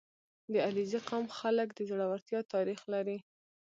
• د علیزي قوم خلک د زړورتیا تاریخ لري.